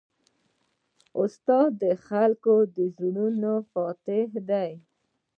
استاد د خلکو د زړونو فاتح دی.